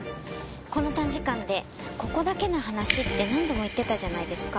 この短時間で「ここだけの話」って何度も言ってたじゃないですか。